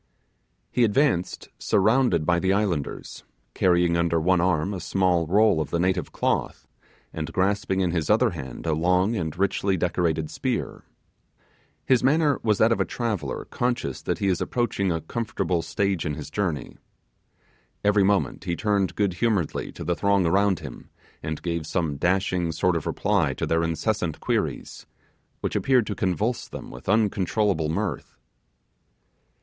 He advanced surrounded by the islanders, carrying under one arm a small roll of native cloth, and grasping in his other hand a long and richly decorated spear. His manner was that of a traveller conscious that he is approaching a comfortable stage in his journey. Every moment he turned good humouredly on the throng around him, and gave some dashing sort of reply to their incessant queries, which appeared to convulse them with uncontrollable mirth.